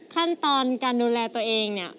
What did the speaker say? ขั้นตอนการดูแลตัวเองเนี่ย